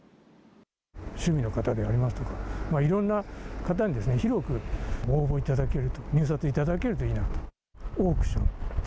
趣味の方でありますとか、いろんな方に広く応募いただける、入札いただけるといいなと。